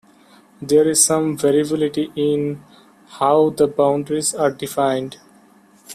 There is some variability in how the boundaries are defined.